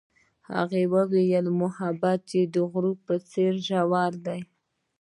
هغې وویل محبت یې د غروب په څېر ژور دی.